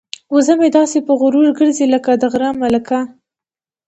وزه مې داسې په غرور ګرځي لکه د غره ملکه.